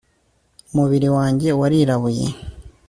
umubiri wanjye warirabuye